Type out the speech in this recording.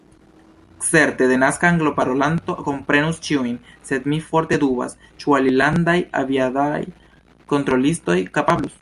Certe, denaska angleparolanto komprenus ĉiujn, sed mi forte dubas, ĉu alilandaj aviadaj kontrolistoj kapablus.